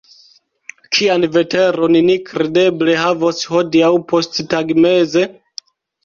Kian veteron ni kredeble havos hodiaŭ posttagmeze?